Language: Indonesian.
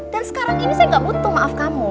dan sekarang ini saya ga butuh maaf kamu